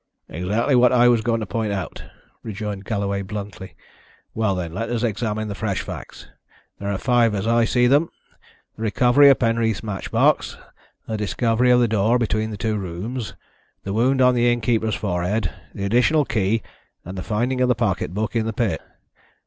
"Exactly what I was going to point out," rejoined Galloway bluntly. "Well, then, let us examine the fresh facts. There are five as I see them. The recovery of Penreath's match box, the discovery of the door between the two rooms, the wound on the innkeeper's forehead, the additional key, and the finding of the pocket book in the pit.